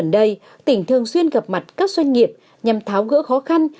gần đây tỉnh thường xuyên gặp mặt các doanh nghiệp nhằm tháo gỡ khó khăn